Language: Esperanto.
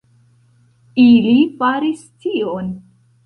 Ili faris tion!